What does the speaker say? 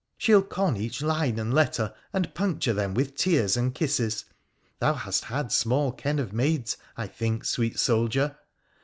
She'll con each line and letter, and puncture them with tears and kisses — thou hast had small ken of maids, I think, sweet soldier